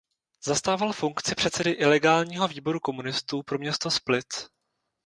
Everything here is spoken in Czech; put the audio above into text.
Zastával funkci předsedy ilegálního výboru komunistů pro město Split.